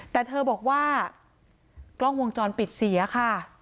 แต่เธอบอกว่ากล้องวงจรปิดเสียค่ะ